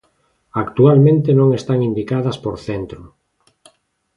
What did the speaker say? Actualmente non están indicadas por centro.